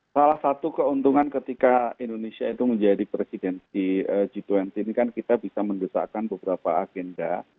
salah satu keuntungan ketika indonesia itu menjadi presidensi g dua puluh ini kan kita bisa mendesakkan beberapa agenda